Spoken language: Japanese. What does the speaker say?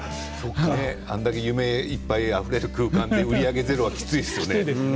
あれだけ夢いっぱいあふれる空間で売上ゼロはきついですよね。